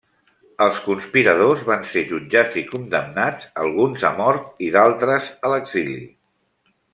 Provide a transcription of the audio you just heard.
Els conspiradors van ser jutjats i condemnats, alguns a mort i d'altres a l'exili.